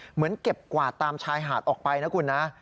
เหมือนเก็บกวาดตามชายหาดออกไปนะคุณนะ